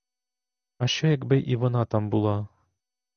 А що, якби і вона там була?